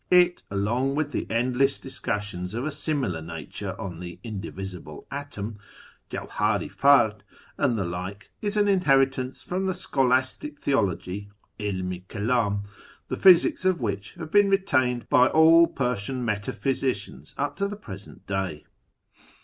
It, along with the endless discussions of a similar nature on the " Indivisible Atom " {Jawliar i fard) and the like, is an inheritance from the scholastic theology (^ Ilm i Keld ni), the physics of which have been retained by all Persian metaphysicians up to the present day.